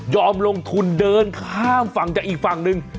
ลงทุนเดินข้ามฝั่งจากอีกฝั่งหนึ่ง